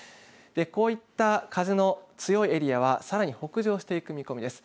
こういった風の強いエリアはさらに北上していく見込みです。